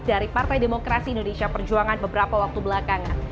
dari partai demokrasi indonesia perjuangan beberapa waktu belakangan